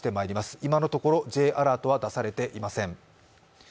今のところＪアラートは出されていません。